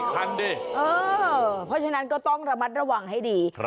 เพราะฉะนั้นก็ต้องระมัดระวังให้ดี